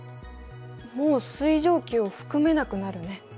もう水蒸気を含めなくなるね。